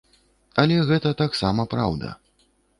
Але гэта таксама праўда.